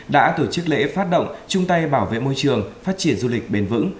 đã tổ chức lễ phát động chung tay bảo vệ môi trường phát triển du lịch bền vững